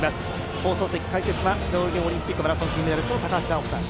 放送席解説はシドニーオリンピック金メダリスト・高橋尚子さん。